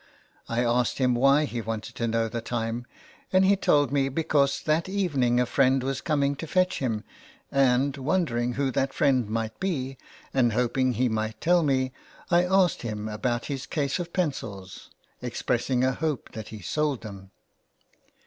I asked him why he wanted to know the time, and he told me because that evening a friend was coming to fetch him. And, wondering who that friend might be, and hoping he might tell me, I asked him about his case of pencils, expressing a hope that he sold them.